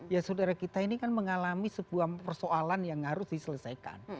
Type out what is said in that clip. ya saudara kita ini kan mengalami sebuah persoalan yang harus diselesaikan